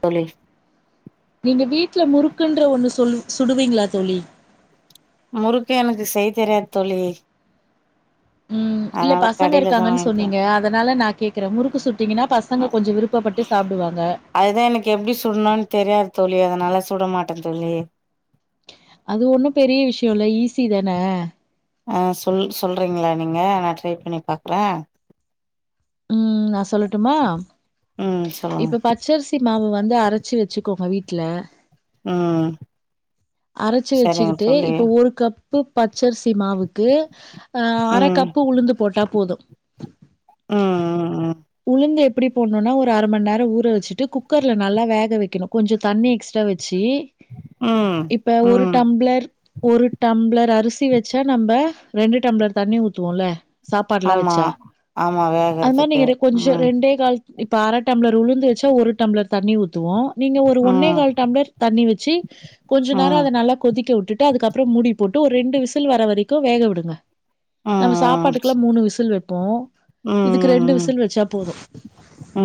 தோழி இங்க வீட்ல முறுக்குன்ற ஒன்னு சொல்லு சுடுவீங்களா தோழி முறுக்கு எனக்கு செய் தெரியாது தோழி உம் இல்ல அதனால பசங்க கடையில தா இருக்காங்கன்னு சொன்னீங்க அதனால நா கேக்குறே முறுக்கு சுட் அ அதுதா எனக்கு எப்டி சுடனுன்னு தெரியாது தோழி அது நல்லா சுடமாட்டே தோழி அது ஒண்ணு பெரிய விஷயொ இல்ல ஈஸி தானே ஆஹ் சொல் சொல்றீங்களா நீங்க நா ட்ரை பண்ணி பாக்குறே உம் நாச் சொல்லட்டுமா ம் சொல்லுங்க இப்ப பச்சரிசி மாவு வந்து அரச்சு வச்சுக்கோங்க வீட் ட்ல ம் அரச்சு சரிங்க வச்சுக்குட்டு தோழி இப்ப ஒரு கப் பு பச் சரிசி மாவுக்கு ஆ அர ம் கப்பு உளுந்து போட்டா போது ம் ம் உளுந் து எப்டி போடணும்னா ஒரு அர மண் நேரம் ஊற வச்சுட்டு குக்கர்ல நல்லா வேக வைக்கணு கொஞ்சொ தண்ணி எக்ஸ்ட்ரா வச்சு தீ ம் ம் இப்ப ஒரு ம் டம்ளர் ஒரு டம்ப்ளர் அரிசி வச்சா நம்ப ரெண்டு டம்ளர் தண்ணி ஊத்துவோல சாப்பாடுல்லா ஆமா வச்சா ஆமா அது மாரி வேகறதுக்கு நீங்க றே கொஞ்சொ ம் ரெண்டே கால் இப்ப அர டம்ளர் உளுந்து வச்சு ஒரு டம்ளர் தண்ணி ஊத்துவோ நீங்க ஒரு ஒன்னே ம் கால் டம்ளர் தண்ணி வ ச்சீ கொஞ்ச நேரொ ம் அத நல்ல கொதிக்க விட்டுட்டு அதுக்கப்புறொ மூடி போட் டு ஒரு ரெண்டு விசில் வர வரைக்கு வேக விடுங்க ம் நம்ம ம் சாப்பாட்டுக்கலா மூணு விசில் வப் போ இதுக்கு ரெண்டு ம் விசில் வச்சா போதும்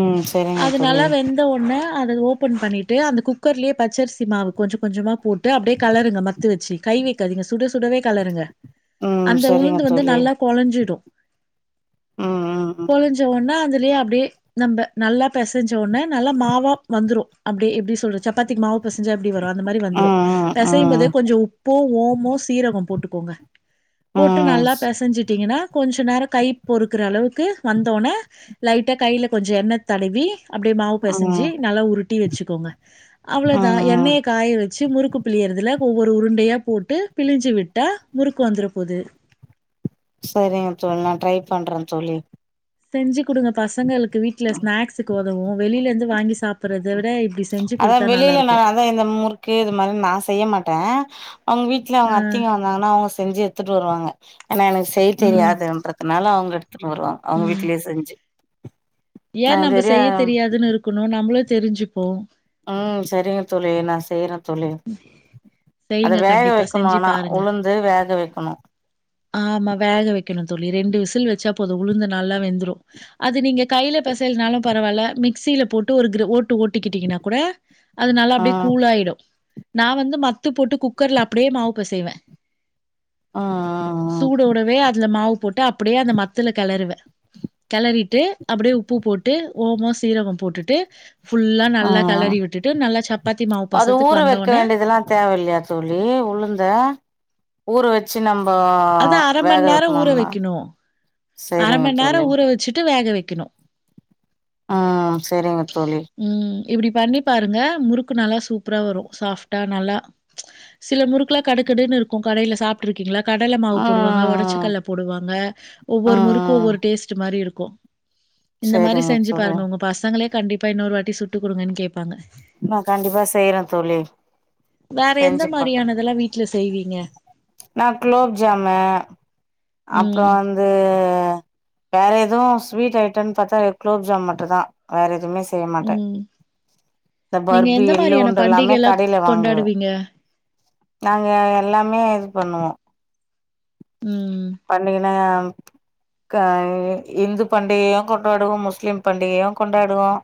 ம் சரிங்க அது தோழி நல்லா வெந்த உடனே அது ஓப்பன் பண்ணிட்டு அந்த குக்கர்லேயே பச்சரிசி மாவு கொஞ்ச கொஞ்சமா போட்டு அப்படியே களருங்க மத்து வச்சு கை வைக்காதீங்க சுட சுடவே களருங்க ம் அந்த சரிங்க உளுந்து வந்து தோழி நல்லா கொழஞ்சிடும் ம் ம் கொழஞ்ச உடனே அந்த அப்டியே அப்டியே நம்ம நல்லா பெசஞ்ச உடனே நல்லா மாவா வந்துரு அப்டி எப்டி சொல்றது சப்பாத்திக்கு மாவு பெசஞ்ச அப்படி வரு அந்த மாரி ம் வந்துரு ம் ம் பெசையும் போது ம் கொஞ்ச உப்பு ஓமம் சீரகம் போட்டு கோங்க போட்டு ம் நல்லா பெசஞ்சிட்டிங்கன்னா கொஞ்ச நேர கை பொருக்குறளவுக் கு வந்தோன லைட்டா கைல கொஞ்ச எண்ணெ தடவி அப்டியே மாவு பெசஞ்சு ம் நல்லா உருட்டி வெச்சுக்கோங்க அவ்ளோதா ம் எண்ணெய காய வச்சு முறுக் கு பிளியறதுல ஒவ்வொரு உருண்டையா போட்டு பிழிஞ்சு விட்டா முறுக்கு வந்துரபோது சரிங்க தோழி நா ட்ரை பண்ற தோழி செஞ்சு குடுங்க பசங்களுக் கு வீட்ல ஸ்நாக்ஸ்க்கு ஒ துவு வெளியிலந்து வாங்கி சாப்பறத அதா வெளியில நா அதா இந்த முறுக்கு இது மாரி நா செய்ய மாட்டே அவுங்க வீட்ல அ, அவுங்க அத்திங்க வந்தாங்கனா அவுங்க செஞ்சு எடுத்துட்டு வருவாங்க ஏனா எனக்கு செய்ய ம், தெரியாதுன்றதுனால அவுங்க எடுத்துட் வருவாங்க அவுங்க வீட்லயே செஞ்சு ஏ நா நம்ப இதுவரையு செய்ய தெரியாதுன்னு இருக்கணு நம்மளு தெரிஞ்சுப்போ ஆ சரிங்க தோழி நா செய்யற செய்ங்க கண்டிப்பா வைக்கணு செஞ்சு ஆனா பாருங்க உளுந்து வேக வைக்கணு ஆமா வேக வெக்கணு தோழி ரெண்டு வி சில் வெச்சா போது உளுந்து நல்லா வெந்துரு அது நீங்க கைல பெசைலனாலு பரவால மிக்ஸில போட்டு ஒரு க்ரு ஒரு ஓட்டு ஓட்டிக்கிட்டிங்கனா கூட அது நல்லா அப்டியே ம் கூலாயிடு நா வந்து மத்து போட்டு குக்கர்ல அப்டியே மாவுப்பெசைவே ம் ம் சூடோடவே அதுல மாவு போட்டு அப்டியே அந்த மத்துல கெளறுவ கெளறிட்டு அப்பிடியே உப்பு போட்டு ஓம சீரக போட்டுட்டு ஃபுல்லா நல்லா ம் ம் கெலறி விட்டுட்டு நல்லா சப்பாத்தி மாவு அது பசத்துக் ஊற வெக்க வேண்டிதெலா தேவயில்லியா தோழி உளுந்த ஊற வெச்சு நம் ப்பா அத வேக வெக்கணுனா அர மண்நேர ஊற வச்சுட்டு வேக வைக்கணு ஆ சரிங்க தோழி இப்டி பண்ணி பாருங்க முறுக்கு நல்லா சூப்பரா வரு சாஃப்டா நல்லா சில முறுக்லா கடுக்கடுன்னு இருக்கு கடையில சாப்ட்ருக்கீங்களா கடல மாவு போடுவாங்க ம் ஒடச்சக்கல்ல போடுவாங்க ஒவ்வொரு முறுக்கும் ம் ஒவ்வொரு டேஸ்ட மாதிரி இருக்கு இந்த மாரி சேரிங்க செஞ்சு தோழி பாருங்க உங்க பசங்களே கண்டிப்பா இன்னொரு வாட்டி சுட்டுக் குடுங்கன்னு கேப்பாங்க நான் கண்டிப்பா செய்றேன் தோழி வேற எந்த செஞ்சு பாக்கறேன் மாரியானதெல்லா வீட்ல செய்வீங்க நான் குலோப்ஜாமு ம் அப்புறம் வந்து வேற எதுவும் ஸ்வீட் ஐட்டம்னு பாத்தா குலோப்ஜாம் மட்டு தான் வேற எதுவுமே செய்ய மாட்டேன் ம் நீங்க பருப்பு எந்த மாரியான எள்ளுருண்ட எல்லாமே பண்டிகைல்லா கடைல வாங்குவேன் கொண்டாடுவீங்க நாங்க எல்லாமே இது பண்ணுவோம் ம் பண்டிகைன்னா க இந்து பண்டிகையும் கொண்டாடுவோம் முஸ்லிம் பண்டிகையும் கொண்டாடுவோம்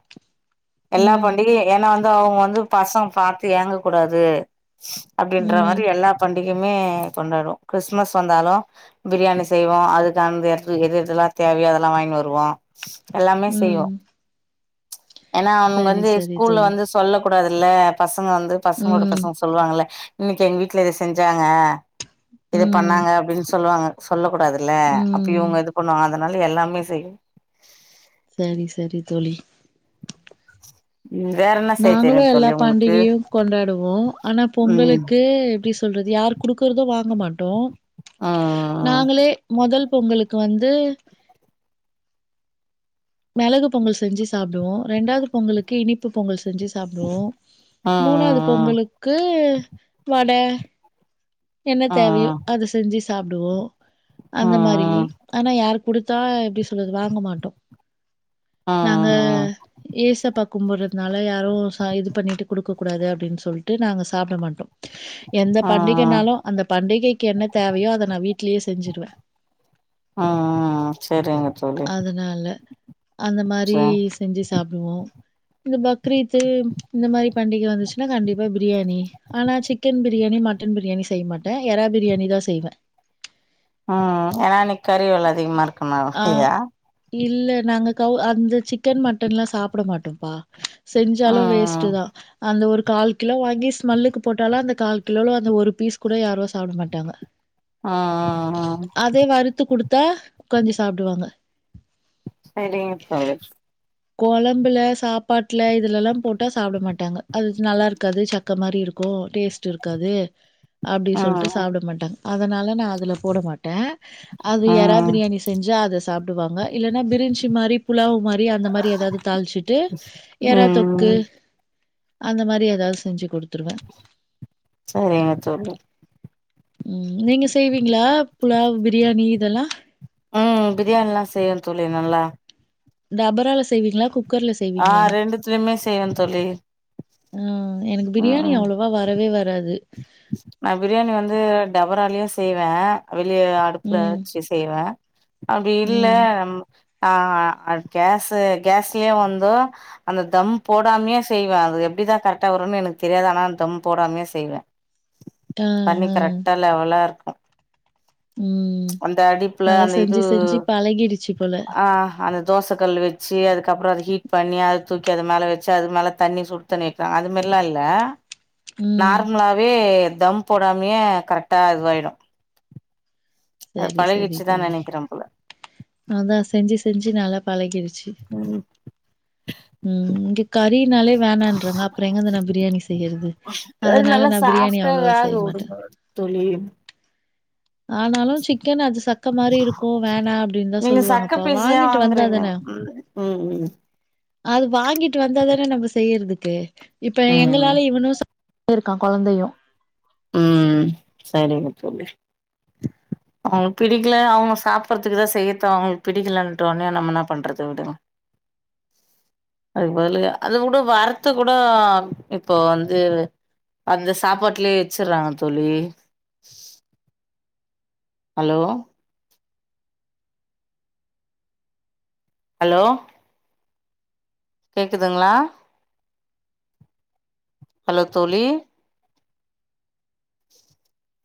எல்லா ம் பண்டிகையும் ஏன்னா வந்து அவுங்க வந்து பசங்க பாத்து ஏங்கக் கூடாது அப்டின்ற ம் மாரி எல்லாப் பண் இங்கயுமே கொண்டாடுவோம் கிறிஸ்மஸ் வந்தாலும் பிரியாணி செய்வோம் அதுக்கானது எடத்துல எததெல்லாம் தேவையோ அதெல்லாம் வாங்கினு வருவோம் எல்லாமே ம் செய்வோ ஏன்னா அவனுங்க சரி வந்து சரி ஸ்கூல்ல தோழி வந்து சொல்லக்கூடாது இல்ல பஸ் பசங்க வந்து பசங்களோட ம் பசங்க சொல்லுவாங்கல்ல இன்னைக்கு எங்க வீட்ல இத செஞ்சாங்க இது உம் பண்ணாங்க அப்டின்னு சொல்லுவாங்க சொல்லக் கூடாதுல்ல அப்ப ம் இவுங்க இது பண்ணுவங்க அத அதனால எல்லாமே செய்வேன் சரி சரி வேற என்ன செய்ய தெரியு நாங்களும் எல்லா தோழி உங்களுக்கு பண்டிகையும் கொண்டாடுவோம் ஆனா ம் பொங்கலுக்கு எப்டி சொல்றது யார் குடுக்கறதோ வாங் வாங்க மாட்டோம் ம் நாங்களே மொதல் பொங்கலுக்கு வந்து மெளகு பொங்கல் செஞ்சு சாப்டுவோ ரெண்டாவது பொங்கலுக்கு இனிப்பு பொங்கல் செஞ்சு சாப்டுவோ ம் மூணாவது பொங்கலுக்கு வட என்ன ம் தேவையோ அது செஞ்சு சாப்பிடுவோம் அந்த மாதிரி ம் ஆனா யாருக்கு குடுத்தா எப்படி சொல்றது வாங்க மாட்டோம் ம் நாங்க ஏச பக்க கும்பிடறதுனால யாரும் சாமி இது பண்ணிட்டு கொடுக்கக்கூடாது அப்படின்னு சொல்லிட்டு நாங்கள் சாப்பிட மாட்டோம் எந்த பண்டி ம் எங்கனாலும் அந்த பண்டிகைக்கு என்ன தேவையோ அதை வீட்டு ம் ம் சரிங்க தோழி அதனால அந்த மாதிரி செரி செஞ்சு சாப்பிடுவோம் இந்த பக்ரீத்து இந்த மாதிரி பண்டிகை வந்துச்சுன்னா கண்டிப்பா பிரியாணி ஆனா சிக்கன் பிரியாணி மட் சிக்கன் பிரியாணி செய்ய மாட்டேன் எறா பிரியாணி தான் செய்வேன் ம் ம் ஏன்னா அன்னைக்கு கறிவில அதிகமா இருக்குமே ஆ அப்படியா இல்ல நாங்க கவு அந்த சிக்கன் மட்டன் எல்லாம் சாப்பிட மாட்டோம்பா செஞ்சாலும் ம் வேஸ்ட்டு தான் அந்த ஒரு கால் கிலோ வாங்கி ஸ்மெல்லுக்கு போட்டாலும் அந்த கால் கிலோ அந்த ஒரு பீஸ் கூட யாரோ சாப்பிட மாட்டாங்க ஆ ஆ ஆ த கொஞ்ச சாப்பிடுவாங்க செரிங்க தோழி குழம்புல சாப்பாட்டுல இதுலெலாம் போட்டால் சாப்பிட மாட்டாங்க அது நல்லா இருக்காது சக்க மாதிரி இருக்கும் டேஸ்ட் இருக்காது அப்படின்னு சொல்லிட்டு ம் சாப்பிட மாட்டாங்க அதனால நான் அதில போட மாட்டேன் அது எறா ம் பிரியாணி செஞ்சா அதை சாப்புட்டுவாங்க இல்லைன்னா பிரிஞ்சு மாதிரி புலாவு் மாதிரி அந்த மாதிரி ஏதாவது தாழிச்சுட்டு ஏறாத்தொக்கு ம் அந்த மாதிரி ஏதாவது செஞ்சு கொடுத்து சரிங்க சொல்லு ம் நீங்க செய்வீங்களா புலாவ் பிரியாணி இதெல்லாம் ம் பிரியாணி எல்லாம் செய்வே தோழி நல்லா டபரால செய்வீங்களா குக் ஆ ரெண்டுத்துலயுமே செய்வேன் தோழி அ எனக்கு ம் பிரியாணி ம் அவ்வளவா வரவே வரா வராது நா பிரியாணி வந்து டபராலியே செய்வே வெளியே அடுப்பல ம். வச்சி செய்வே அப்படி இல்ல ம். ஆ அது கேஸ்சு கேஸ்லயே வந்து அந்த தம் போடாமையே செய்வே அது எப்படிதா கரெக்டா வரும்னு எனக்கு தெரியாது ஆனா தம் போடாமையே செய்வே அ, தண்ணி அ. கரெக்டா லெவலா இருக்கு ம் அந்த அடிப்புல நல்லா அந்த இது செஞ்சு செஞ்சு பழகிடுச்சு போல ஆ அ தோச கல்லு வச்சு அதுக்கப்ரோ அது ஹீட் பண்ணி அத தூக்கி அது மேல வச்சு அது மேல தண்ணி சுடுத்தண்ணி வெக்கோ அது மாரிலா இல்ல ம் நார்மலா ஏ தம் போடாமயே கரெக்டா இதுவாயிடு அது சரி சரி பழகிடுச்சுதா தோழி நெனைக்கிறே போல அதா செஞ்சு செஞ்சு நல்லா பழகியிருச்சு சு ம் உம் இங்க கறினாலே வேணான்றாங்க அப்றோ எங்கந்த நா பிரியாணி செய்யறது அது அதனால நல்லா நா பிரியாணி சாஃப்டா அவ்ளவா வேக செய்ய மாட்டே விடுங்க தோழி ஆனாலு சிக்கன் அது சக்க மாரி இருக்கு வேணா அப்படின்னு தா நீங்க சக்க சொல்லுவாங்கப்பா பீஸயா வாங்கிட்டு வந்தா வாங்குறீங்க தானே ம் ம் அது வாங்கிட்டு வந்தா இது நம்ம செய்யறதுக்கு இப்ப ம் எங்களால இவனும் இருக்கா குழந்தையு உம் சரிங்க தோழி அவ பிடிக்கல அவங்க சாப்படுறதுக்குதா செய்யறத அவங்க பிடிக்கலன்றாங்க நம்ம என்ன பண்றத விடுங்க அதுக்கு மொதல்லையே அது கூட வார்த்த கூட இப்போ வந்து அந்த சாப்பாட்டுலயே வச்சுறலா தோழி ஹலோ ஹலோ கேக்குதுங்களா ஹலோ தோழி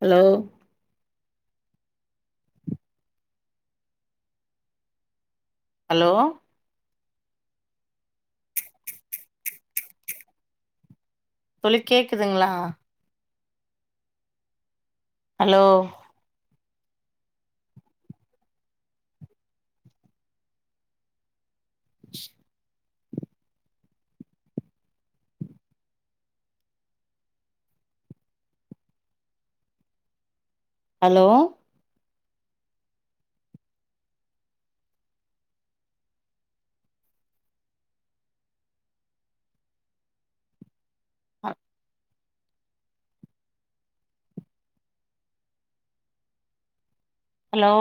ஹலோ ஹலோ தோழி கேக்குதுங்களா ஹலோ ச்சு ஹலோ ஆ ஹலோ